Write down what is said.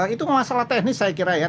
itu masalah teknis saya kira ya